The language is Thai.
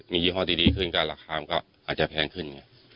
มียี่ห้อดีขึ้นก็อาจจะแพงขึ้น